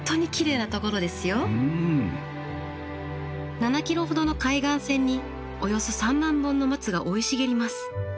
７ｋｍほどの海岸線におよそ３万本の松が生い茂ります。